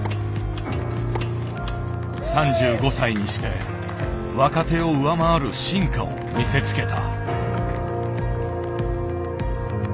３５歳にして若手を上回る進化を見せつけた。